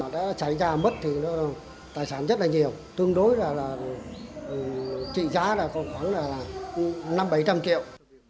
nó đã xảy ra mất tài sản rất nhiều tương đối trị giá khoảng năm trăm linh bảy trăm linh triệu